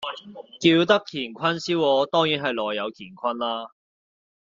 叫得乾坤燒鵝，當然係內有乾坤啦